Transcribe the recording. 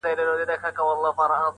نو به ښه وي چي پیدا نه کړې بل ځل خر -